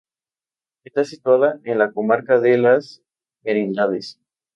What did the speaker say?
Está situada en la comarca de Las Merindades.